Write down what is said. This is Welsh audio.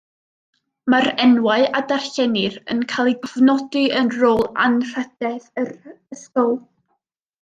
Mae'r enwau a darllenir yn cael eu cofnodi yn Rôl Anrhydedd yr ysgol.